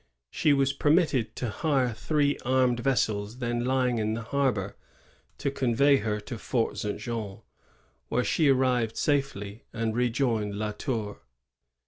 She was permitted to hire three armed vessels then lying in the harbor, to convey her to Fort St. Jean, where she arrived safely and rejoined La Tour.